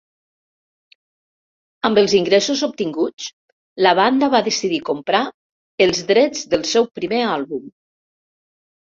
Amb els ingressos obtinguts, la banda va decidir comprar els drets del seu primer àlbum.